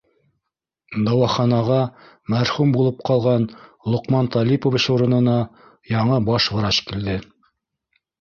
Дауаханаға мәрхүм булып ҡалған Лоҡман Талипович урынына яңы баш врач килде.